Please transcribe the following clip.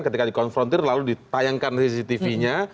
ketika di konfrontir lalu ditayangkan cctv nya